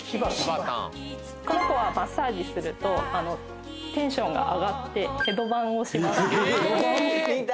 この子はマッサージするとテンションが上がってヘドバンをしますヘドバン？